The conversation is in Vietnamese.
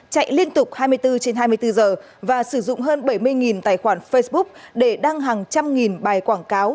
chạy liên tục hai mươi bốn trên hai mươi bốn giờ và sử dụng hơn bảy mươi tài khoản facebook để đăng hàng trăm nghìn bài quảng cáo